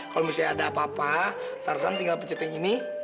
kalo misalnya ada apa apa tarzan tinggal pencet yang ini